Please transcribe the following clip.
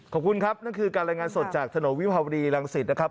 ขอบคุณครับนั่นคือการรายงานสดจากถนนวิภาวดีรังสิตนะครับ